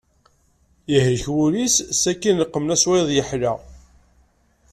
Yehlek ul-is sakin leqmen-as wayeḍ yeḥla.